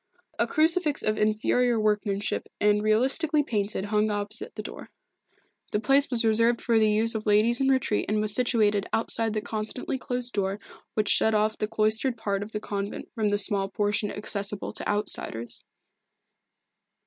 A crucifix of inferior workmanship and realistically painted hung opposite the door. The place was reserved for the use of ladies in retreat and was situated outside the constantly closed door which shut off the cloistered part of the convent from the small portion accessible to outsiders.